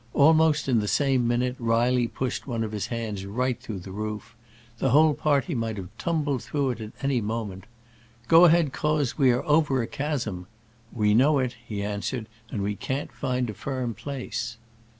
Almost in the same minute Reilly pushed one of his hands right through the roof. The whole party might have tumbled through at any moment. *' Go ahead, Croz : we are over a chasm!" "We know it," he answered, "and we can't find a firm place."